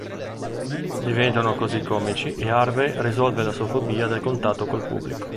Diventano così comici e Harvey risolve la sua fobia del contatto con il pubblico.